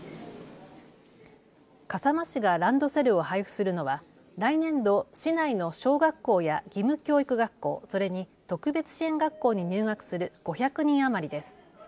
笠間市がランドセルを配付するのは来年度、市内の小学校や義務教育学校、それに特別支援学校に入学する５００人余りです。